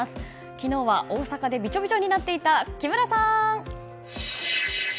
昨日は大阪でびちょびちょになっていた木村さん！